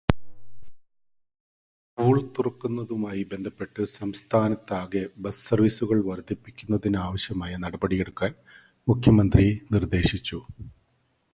School തുറക്കുന്നതുമായി ബന്ധപ്പെട്ട് സംസ്ഥാനത്താകെ ബസ്സ് സര്വ്വീസുകള് വര്ദ്ധിപ്പിക്കുന്നതിനാവശ്യമായ നടപടി എടുക്കാന് മുഖ്യമന്ത്രി നിര്ദ്ദേശിച്ചു.